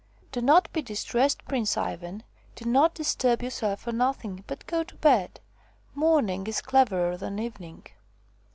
" Do not be distressed, Prince Ivan ; do not dis turb yourself for nothing, but go to bed. Morning is cleverer than Evening."